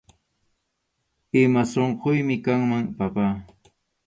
Ima unquymi kanman, papá